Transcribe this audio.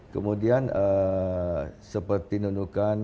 kemudian seperti nenu kan